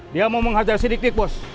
dia mau menghajar sidik sidik bos